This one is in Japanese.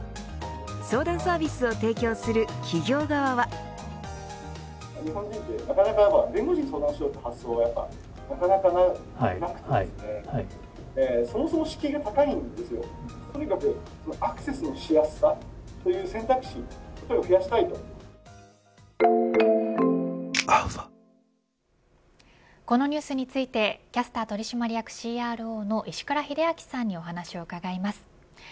相談サービスを提供する企業側はこのニュースについてはキャスター取締役ＣＲＯの石倉秀明さんにお話を伺います。